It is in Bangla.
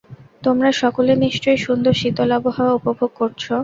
তোমরা সকলে নিশ্চয়ই সুন্দর শীতল আবহাওয়া উপভোগ করছ।